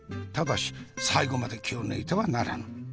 ただし最後まで気を抜いてはならぬ。